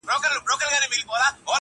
طبیعت د انسانانو نه بدلیږي.!.!